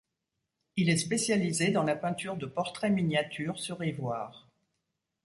Il est spécialisé dans la peinture de portraits miniatures sur ivoire.